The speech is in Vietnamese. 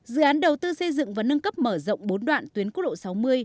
dự án đầu tư xây dựng và nâng cấp mở rộng bốn đoạn tuyến quốc lộ sáu mươi